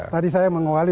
tadi saya mengawali